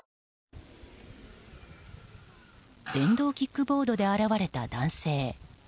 電動キックボードで現れた男性。